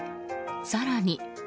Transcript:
更に。